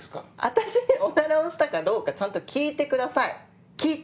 私におならをしたかどうかちゃんと聞いてください聞いて。